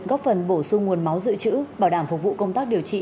góp phần bổ sung nguồn máu dự trữ bảo đảm phục vụ công tác điều trị